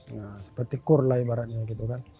nah seperti kur lah ibaratnya gitu kan